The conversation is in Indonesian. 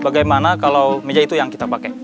bagaimana kalau meja itu yang kita pakai